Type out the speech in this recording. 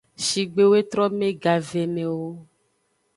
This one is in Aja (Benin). Shigbe zetrome gavemewo.